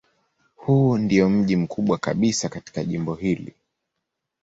Huu ndiyo mji mkubwa kabisa katika jimbo hili.